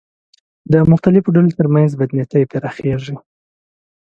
د مختلفو ډلو تر منځ بدنیتۍ پراخېږي